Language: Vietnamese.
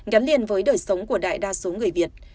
gắn liền với đời sống của đại đa số người việt